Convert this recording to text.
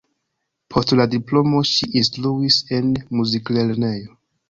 Post la diplomo ŝi instruis en muziklernejo.